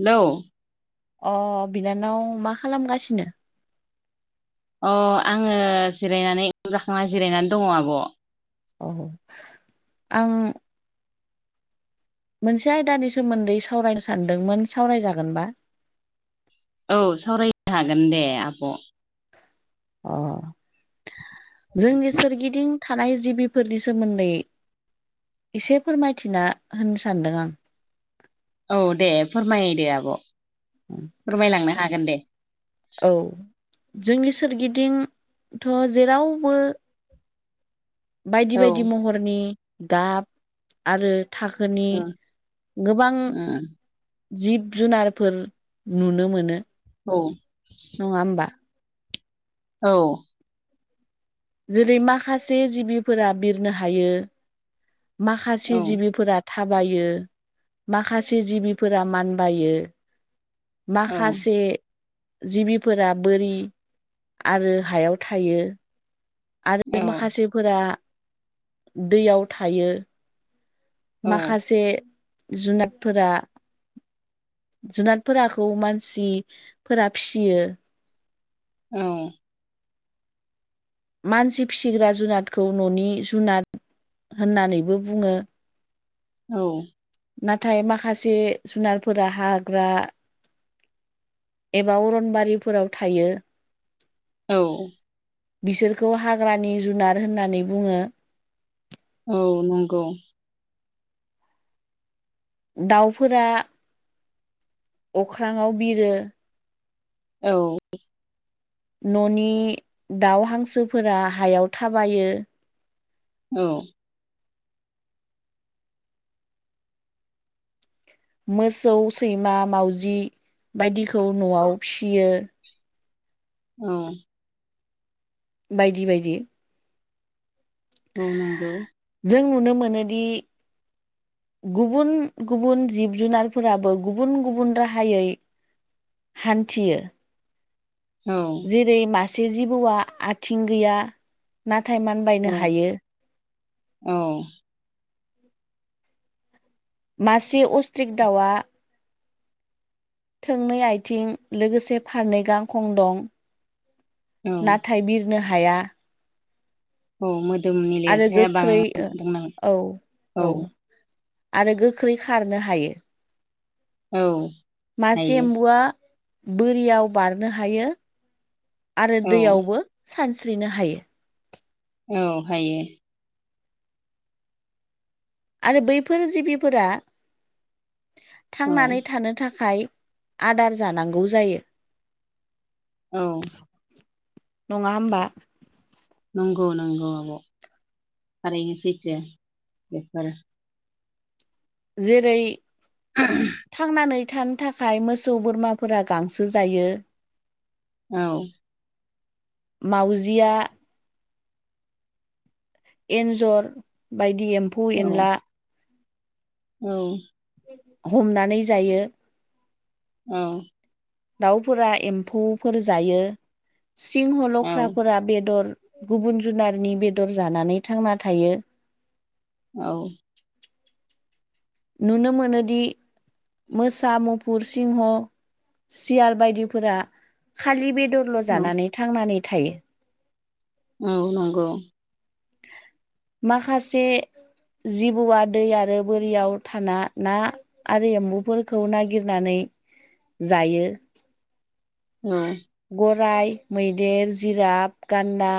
Hello अ बिनानाव मा खालामगासिनो? अ आङो जिरायनानै [unintelligible] जाखांना जिरायनानै दङ आब'। औ आं मोनसे आयदानि सोमोन्दै सावरायनो सानदोंमोन सावरायजागोनबा? औ सावरायनो हागोन दे आब'। अ जोंनि सोरगिदिं थानाय जिबिफोरनि सोमोन्दै एसे फोरमायथिना होननो सानदों आं। औ दे फोरमायदे आब' फोरमायलांनो हागोन दे। औ जोंनि सोरगिदिंथ' जेरावबो बायदि औ बायदि महरनि गाब आरो थाखोनि ओ गोबां जिब जुनारफोर नुनो मोनो औ नङा होमबा औ जेरै माखासे जिबिफोरा बिरनो हायो। माखासे औ जिबिफोरा थाबायो माखासे जिबिफोरा मानबायो। औ माखासे जिबिफोरा बोरि आरो हायाव थायो आरो औ माखासेफोरा दैयाव थायो औ माखासे जुनादफोरा जुनादफोराखौ मानसिफोरा फियो औ मानसि फिसिग्रा जुनादखौ न'नि जुनाद होननानैबो बुङो औ नाथाय माखासे जुनारफोरा हाग्रा एबा अरनबारिफोराव थायो औ बिसोरखौ हाग्रानि जुनार होननानै बुङो औ नंगौ दाउफोरा अख्रांआव बिरो औ न'नि दाउ हांसोफोरा हायाव थाबायो औ मोसौ सैमा मावजि बायदिखौ न'आव फियो औ बायदि बायदि मावनांगौ जों नुनो मोनोदि गुबुन गुबुन जिब जुनारफोराबो गुबुन गुबुन राहायै हान्थियो औ जेरै मासे जिबौआ आथिं गैया नाथाय म औ औ मासे अस्ट्रिक दाउआ थोंनै आथिं लोगोसे फारनै गां खं दं नाथाय बिर थानो हाया औ मोदोमनि आरो लिरथाया गोख्रै बांदों नामा औ औ आरो गोख्रै खारनो हायो औ मासे हायो एम्बुआ बोरियाव बारनो हायो आरो औ दैयावबो सानस्रिनो हायो औ हायो आरो बैफोर जिबिफोरा औ थांनानै थानो थाखाय आदार जानांगौ जायो। औ नङा होमबा नंगौ नगौ आब'। थारैनो सैथो बेफोर। जेरै [inaudible] थांनानै थानो थाखाय मोसौ बोरमाफोरा गांसो जायो। औ माउजिया एन्जर बायदि एम्फौ औ एनला औ हमनानै जायो औ दाउफोरा एम्फौफोर जायो सिंह औ लख्राफोरा बेदर गुबुन जुनारनि बेदर जानानै थांना थायो औ नुनो मोनदि मोसा मुफुर सिंह सियाल बायदिफोरा खालि बेदर औ जानानै थांनानै थायो। औ नंगौ। माखासे जिबौआ दै आरो बोरियाव थाना ना आरो एम्बुफोरखौ नागिरनानै जायो। औ गराइ, मैदेर, जिराद, गान्दा,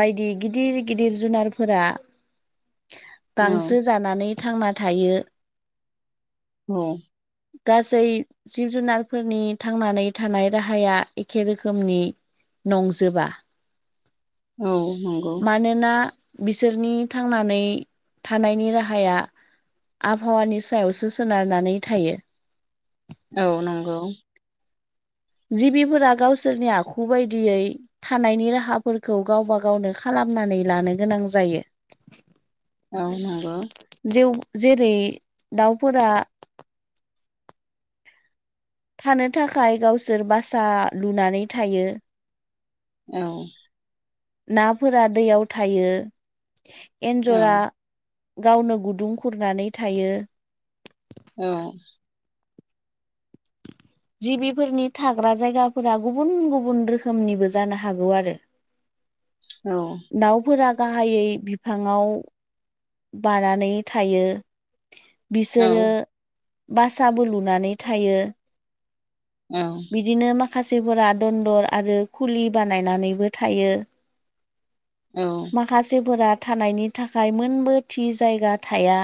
बायदि गिदिर गिदिर जुनारफोरा औ गांसो जानानै थांना थायो। औ गासै जिब जुनारफोरनि थांनानै थानाय राहाया एखे रोखोमनि नंजोबा। औ नंगौ। नोना बिसोरनि थांनानै थानायनि राहाया आबहावानि सायावसो सोनारनानै थायो। औ नंगौ। जिबिफोरा गावसोरनि आखु बायदियै थानायनि राहाफोरखौ गावबा गावनो खालामनानै लानो गोनां जायो। औ नंगौ। जिउ जेरै दाउफोरा थानो थाखाय गावसोर बासा लुनानै थायो। औ नाफोरा दैयाव थायो। औ एन्जरा गावनो गुदुं खुरनानै थायो। औ। [inaudible] जिबिफोरनि थाग्रा जायगाफोरा गुबुन गुबुन रोखोमनिबो जानो हागौ आरो। औ। दाउफोरा गाहायै बिफाङाव बानानै थायो। औ बिसोरो बासाबो लुनानै थायो। औ। बिदिनो माखासेफोरा दन्दर आरो खुलि बानायनानैबो थायो। औ। माखासेफोरा थानायनि थाखाय मोनबो थि जायगा थाया।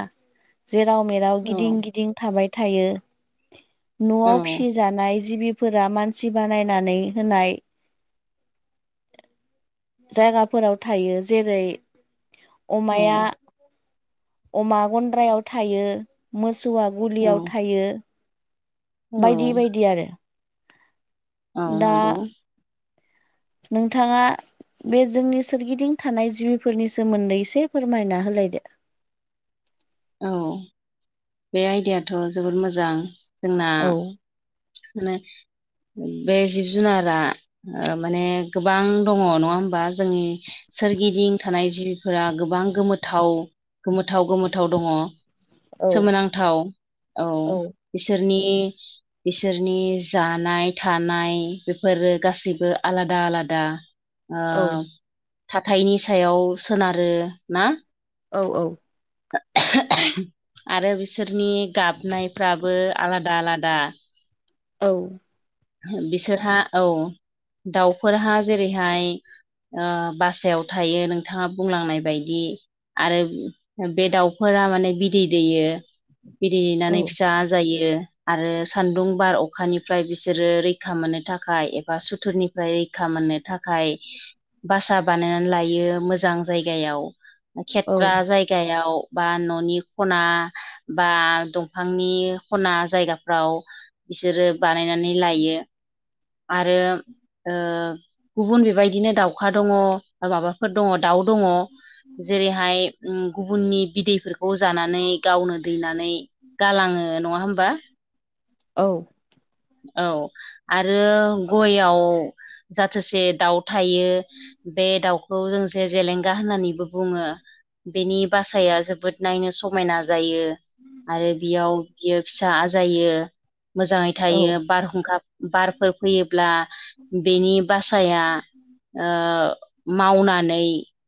जेराव मेराव गिदिं गिदिं थाबाय थायो, न'आव फिसिजानाय जिबि फोर मानसि बानायनानै होनाय जायगाफोराव थायो। जेरै अमाया अमा गन्द्रायाव थायो, मोसौआ गुलियाव थायो, बायदि बायदि आरो औ दा नंगौ नोंथाङा बे जोंनि सोरगिदिं थानाय जिबिफोरनि सोमोन्दै एसे फोरमायना होलायदो औ बे आयदायाथ' जोबोद मोजां जोंना औ मे बे जिब जुनारा माने गोबां दङ नङा होमबा जोंनि सोरगिदिं थानाय जिबिफोरा गोबां गोमथाव गोमोथाव गोमोथाव दङ औ सोमोनांथाव औ बिसोरनि बिसोरनि जानाय थानाय बेफोरो गासैबो आलादा आलादा औ थाथायनि सायाव सोनारो ना औ औ आरो बिसोरनि गाबनायफ्राबो आलादा आलादा औ बिसोरहा औ दाउफोरहा जेरैहाय बासायाव थायो नोंथाङा बुंलांनाय बायदि आरो बे दाउफोरा माने बिदै दैयो औ बिरहैनानै फिसा जायो आरो सान्दुं बार अखानिफ्राय बिसि बिसोरो रैखा मोननो थाखाय एबा सुथुरनिफ्राय रैखा मोननो थाखाय भासा बानायनानै लायो मोजां जायगायाव खेथ्रा औ जायगा बिगायाव बा न'नि खना बा दंफांनि खना जायगाफ्राव बिसोरो बानायनानै लायो आरो गुबुन बेबायदिनो दाउखा दङ माबाफोर दङ दाउ दङ जेरैहाय गुबुननि बिदैफोरखौ जानानै गावनो दैनानै गालाङो नङा होमबा औ औ आरो गययाव जाथोसे दाउ थायो बे दाउखौ जोंसे जेलेंगा होननानैबो बुङो बेनि बासाया जोबोद नायनो समायना जायो आरो बेयाव बियो फ फसा जायो मोजाङै औ थायो बारहुंखा बारफोर फैयोब्ला बेनि बासाया मावनानै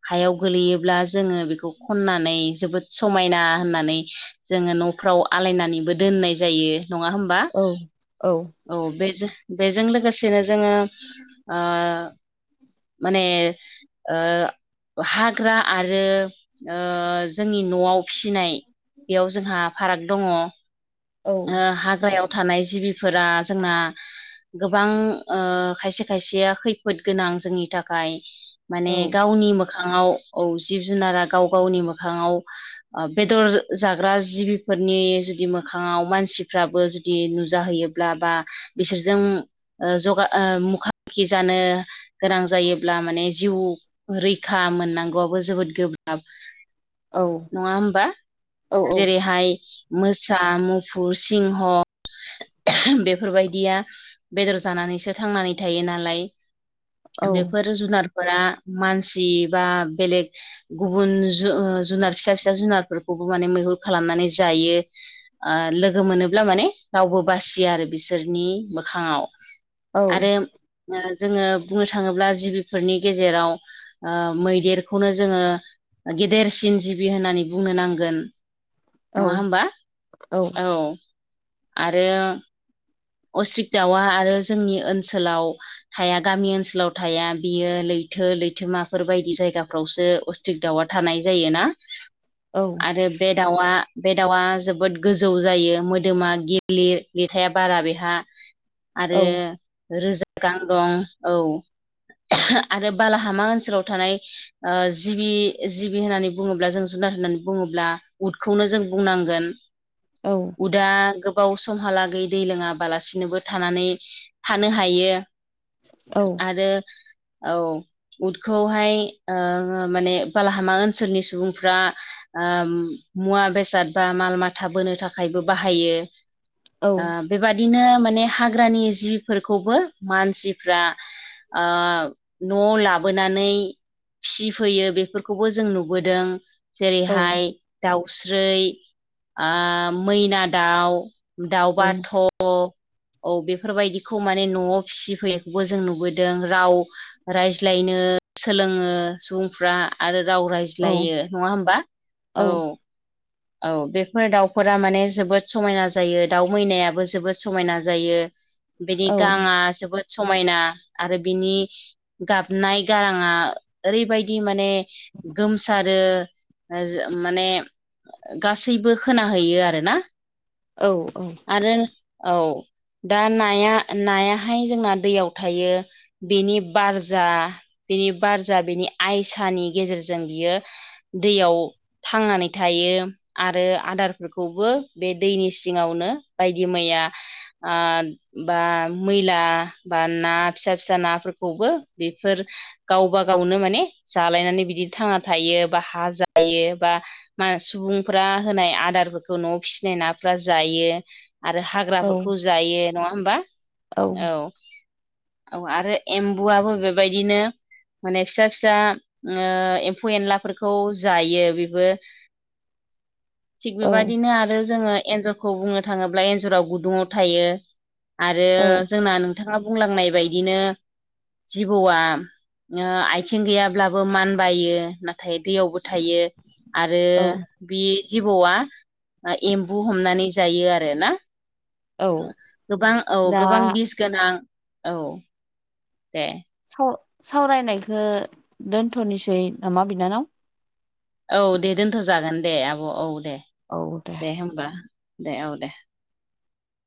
हायाव गोलैयोब्ला जोङो बेखौ खननानै जोबोद समायना होननानै जोङो न'फ्राव आलायनानैबो दोननाय जायो नङा होमबा औ औ औ बे बेजों लोगोसेनो जोङो माने हाग्रा आरो जोंनि न'आव फिसिनाय बेयाव जोंहा फाराग दङ औ हाग्रायाव थानाय जिबिफोरा जोंना गोबां खायसे खायसेया खैफोद गोनां जोंनि थाखाय माने गावनि मोखाङाव औ जिब जुनारा गाव गावनि मोखाङाव बेदर जाग्रा जिबिफोरनि जुदि मोखां फाङाव मानसिफ्राबो जुदि नुजाहैयोब्ला बा बिसोरजों जगा मुख मुाखि जानो गोनां जायोब्ला माने जिउ रैखा मोननांगौआबो जोबोद गोब्राब औ नङा होमबा जेरैहाय मोसौ सा मुफुर सिंह' बेफोरबायदिया बेदर जानानैसो थांनानै थायो नालाय बेफोर जुनार मानसि बा बेले गुब जुनार फिसा फिसा जुनारफोरखौबो माने मैहुर खालामनानै जायो लोगो मोनोब्ला माने रावबो बासिया आरो बिसोरनि मोखाङाव आरो औ जोङो बुंनो थाङोब्ला जिबिफोरनि गेजेराव मैदेरखौनो जोङो गेदेरसिन जिबि होननानै बुंनो नांगोन नङा औ होमबा औ औ आरो अस््रिक दावा आरो जोंनि ओनसोलाव थाया गामि ओनसोलाव थाया बियो लैथो लैथोमाफोर बायदि जायगाफ्रावसो अस्टिक दाउआ थानाय जायोना औ आरो बे दाउआ बे दाउआ जोबोद गोजौ जायो मोदोमा गिलिर लिरथाया बारा बे औ आरो रोजा गां दं औ आरो बालाहामा ओनसोलाव थानाय जिबि जिबि होननानै बुङोब्ला जों जुनार होननानै बुङोब्ला उदखौनो जों बुंनांगोन औ दा गोबाव समहालागै दै लोङाबालासिनोबो थानानै थानो हायो औ आरो औ उदखौहाय माने बालाहामा ओनसोलनि सुबुंफ्रा मुवा बेसाद बा माल माथा बोनो थाखायबो बाहायो औ बेबादिनो माने हाग्रानि जिफोरखौबो मानसिफ्रा न' लाबोनानै फिसिफैयो बेफोरखौबो जों नुबोदों औ जेरैहाय दाउस्रिै मैना दाउ दाउबाथ' औ बेफोरबायदिखौ माने न'आव फिसिफैनायखौबो जों नुबोदों राव रायज्लायनो सोलोङो सुबुंफ्रा आरो राव राय औ मिज्लायो नङा हबा औ औ बेफोर दाउफोरा माने जोबोद समायना जायो दाउ मैनायाबो जोबोद समायना जायो बेनि गाङा जोबोद समायना आरो बिनि गाबनाय गाराङा ओरैबायदि माने गोमसारो माने गासैबो खोनाहैयो आरोना औ औ आरो औ दा नाया नायाहाय जोंना दैयाव थायो बेनि बारजा बेनि बारजा बेनि आइसानि गेजेरजों बियो दैयाव थांनानै थायो आरो आदारफोरखौबो बे दैनि सिङावनो बायदि मैया ओ बा मैला बा ना फिसा फिसा नाफोरखौबो बेफोर गावबा गावनो माने जालायनानै बिदिनो थांना थायो बा हा जायो बा सुबुंफ्रा होनाय आदारफोरखौ न'आव फिसिनाय नाफ्रा जायो आरो हाग्रा फोरखौ जायो नङा होमबा औ औ आरो एम्बुआबो बेबायदिनो माने फिसा फिसा एम्फौ एनलाफोरखौ जायो बेबो [inaudible] थिग औ बेबायदिनो आरो जोङो एन्जरखौ बुंनो थाङोब्ला एन्जराव गुदुङाव थायो आरो औ जोंना नोंथाङा बुंलांनाय बायदिनो जिबौआ आथिं गैयाब्लाबो मान बायो थायो दैयावबो थायो आरो औ बे जिबौआ एम्बु हमनानै जायो आरोना औ गोबां औ दा गोबां बिस गोनां औ दे स सावरायनायखौ दोनथ'नोसै नामा बिनानाव औ दे दोनथ' जागोन दे आब' औ दे दे हबा दे औ दे